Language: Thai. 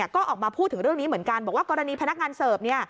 ก็ออกมาพูดถึงเรื่องนี้เหมือนกันบอกว่ากรณีพนักงานเสิร์ฟ